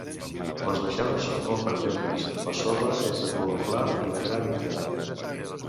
Les baixades són molt perilloses, la sorra és de color clar i de gra mitjà.